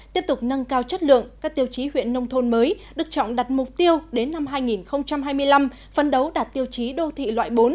tiếp tục nâng cao chất lượng các tiêu chí huyện nông thôn mới đức trọng đặt mục tiêu đến năm hai nghìn hai mươi năm phân đấu đạt tiêu chí đô thị loại bốn